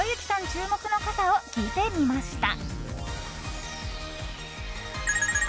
注目の傘を聞いてみました。